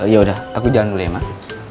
ya udah aku jalan dulu emang